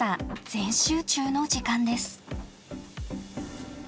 全集中の時間です。